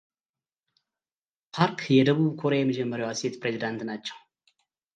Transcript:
ፓርክ የደቡብ ኮሪያ የመጀመርያዋ ሴት ፕሬዝዳንት ናቸው።